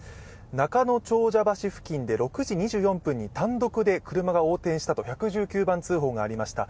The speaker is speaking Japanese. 中野長者橋付近で６時ごろ、単独で車が横転したと１１９番通報がありました。